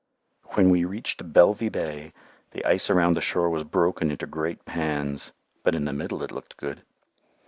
When we reached Belvy Bay the ice around the shore was broken into great pans, but in the middle it looked good.